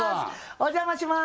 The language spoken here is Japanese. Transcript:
お邪魔します